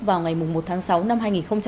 vào ngày một tháng sáu năm hai nghìn một mươi chín